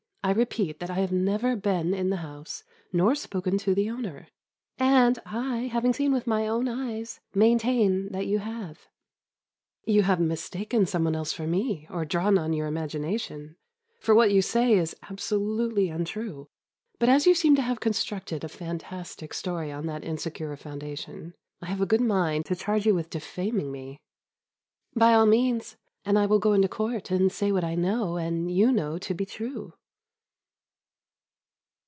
I repeat that I have never been in the house, nor spoken to the owner." "And I, having seen with my own eyes, maintain that you have." "You have mistaken some one else for me, or drawn on your imagination, for what you say is absolutely untrue. But, as you seem to have constructed a fantastic story on that insecure foundation, I have a good mind to charge you with defaming me." "By all means, and I will go into court and say what I know and you know to be true."